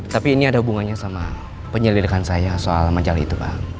tapi ini ada hubungannya sama penyelidikan saya soal majalah itu pak